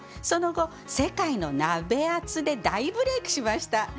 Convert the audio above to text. その後「世界のナベアツ」で大ブレイクしました。